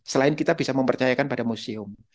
selain kita bisa mempercayakan pada museum